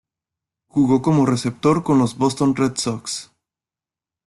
Jugó como receptor con los Boston Red Sox.